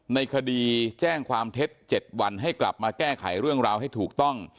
ในคดีแจ้งความเท็จ๗วันให้กลับมาแก้ไขเรื่องราวให้ถูกต้อง